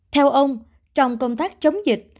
theo ông trong công tác chống dịch